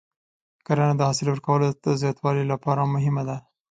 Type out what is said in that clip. کرنه د حاصل ورکولو د زیاتوالي لپاره مهمه ده.